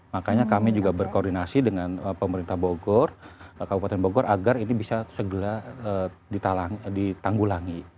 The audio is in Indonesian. makanya kami juga berkoordinasi dengan pemerintah bogor kabupaten bogor agar ini bisa segera ditanggulangi